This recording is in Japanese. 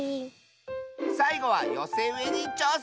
さいごはよせうえにちょうせん！